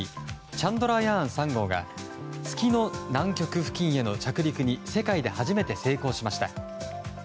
「チャンドラヤーン３号」が月の南極付近への着陸に世界で初めて成功しました。